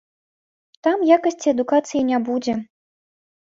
Там якасці адукацыі не будзе.